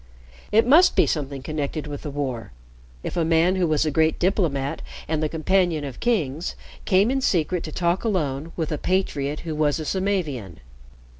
It must be something connected with the war, if a man who was a great diplomat and the companion of kings came in secret to talk alone with a patriot who was a Samavian.